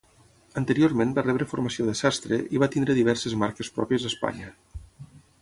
Anteriorment va rebre formació de sastre i va tenir diverses marques pròpies a Espanya.